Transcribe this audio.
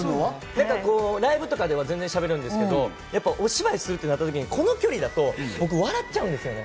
ライブとかでは全然しゃべるんですけど、お芝居するとなったときにこの距離だと僕、笑っちゃうんですよね。